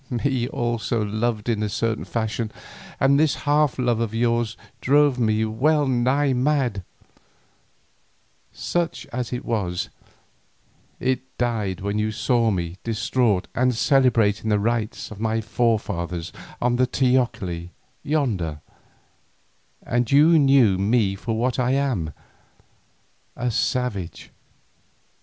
Me also you loved in a certain fashion and this half love of yours drove me well nigh mad; such as it was, it died when you saw me distraught and celebrating the rites of my forefathers on the teocalli yonder, and you knew me for what I am, a savage.